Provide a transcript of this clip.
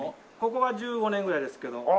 ここは１５年ぐらいですけど。